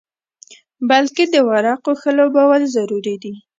بلکې د ورقو ښه لوبول ضروري دي.